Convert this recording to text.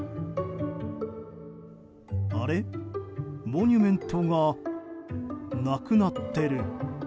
モニュメントがなくなってる。